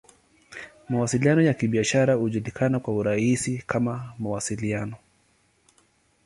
Mawasiliano ya Kibiashara hujulikana kwa urahisi kama "Mawasiliano.